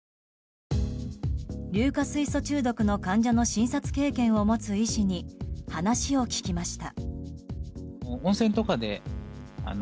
硫化水素中毒の患者の診察経験を持つ医師に話を聞きました。